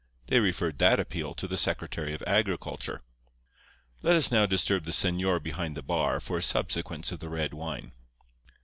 They referred that appeal to the Secretary of Agriculture. Let us now disturb the señor behind the bar for a subsequence of the red wine.